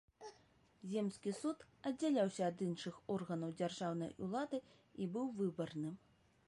Земскі суд аддзяляўся ад іншых органаў дзяржаўнай улады і быў выбарным.